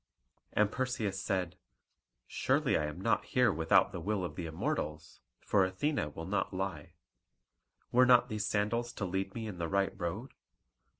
And Perseus said, "Surely I am not here without the will of the Immortals, for Athene will not lie. Were not these sandals to lead me in the right road?